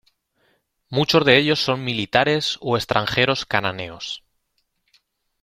Muchos de ellos son militares o extranjeros cananeos.